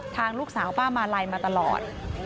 ทางลูกสาวป้ามาลัยมาตลอด